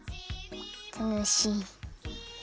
たのしい。